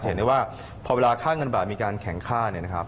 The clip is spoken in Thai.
เห็นได้ว่าพอเวลาค่าเงินบาทมีการแข็งค่าเนี่ยนะครับ